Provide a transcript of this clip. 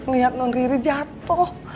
lihat non riri jatuh